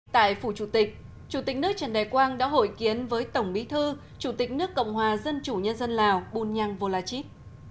tại phủ chủ tịch chủ tịch nước trần đại quang đã hội kiến với tổng bí thư chủ tịch nước cộng hòa dân chủ nhân dân lào bunyang volachit